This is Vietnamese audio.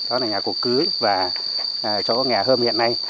đó là nhà cục cứ và chỗ nhà hơm hiện nay